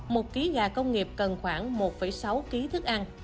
một ký gà công nghiệp cần khoảng một sáu kg thức ăn